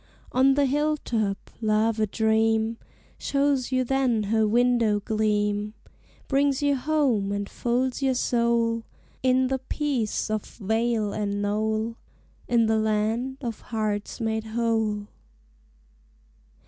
On the hill top Love a Dream Shows you then her window gleam; Brings you home and folds your soul In the peace of vale and knoll, In the Land of Hearts Made Whole.